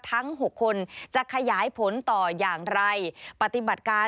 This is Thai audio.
ทั้ง๖คนจะขยายผลต่ออย่างไร